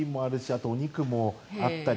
あとお肉もあったり